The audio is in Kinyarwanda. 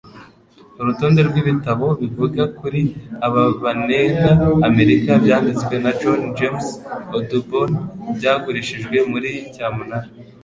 urutonde rwibitabo bivuga kuri aba banenga Amerika byanditswe na John James Audubon byagurishijwe muri cyamunara